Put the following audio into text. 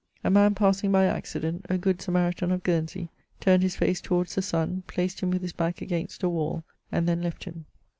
A man passing by accident, a good Samaritan of Guernsey, turned his face towards the sun, placed him with his back against a wall, and then left him.